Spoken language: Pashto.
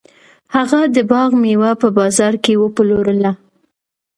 هغه د باغ میوه په بازار کې وپلورله.